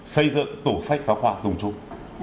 xây dựng tủ sách giáo khoa dùng chung